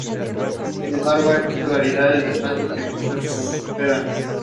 Sin embargo, hay muchas variedades de plantas que sí prosperan.